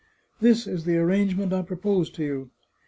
This is the arrangement I propose to you.